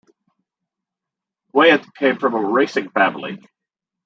Weyant came from a racing family.